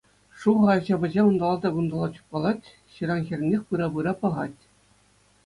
Шухӑ ача-пӑча унталла та кунталла чупкалать, ҫыран хӗрринех пыра-пыра пӑхать.